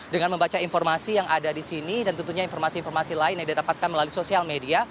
dengan membaca informasi yang ada di sini dan tentunya informasi informasi lain yang didapatkan melalui sosial media